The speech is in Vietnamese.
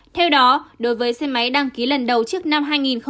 theo đó đối với xe máy đăng ký lần đầu trước năm hai nghìn hai